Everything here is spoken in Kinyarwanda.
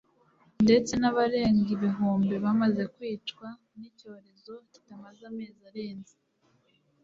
ndetse n' abarenga ibihumbi bamaze kwicwa n' iki cyorezo kitamaze amazi arenze